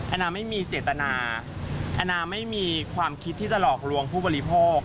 นาไม่มีเจตนาแอนนาไม่มีความคิดที่จะหลอกลวงผู้บริโภค